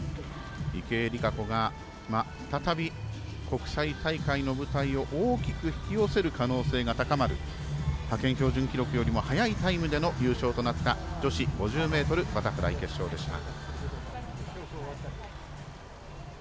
池江璃花子が再び国際大会の舞台を大きく引き寄せる可能性が高まる、派遣標準記録よりも早いタイムで優勝となった女子５０ｍバタフライ決勝でした。